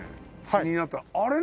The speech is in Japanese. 気になった。